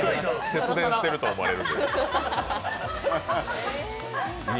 節電してると思われるんで。